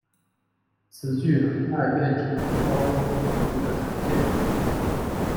此剧很快便成为高中音乐剧的常见剧目。